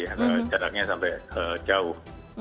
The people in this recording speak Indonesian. ya dari jaraknya sampai jauh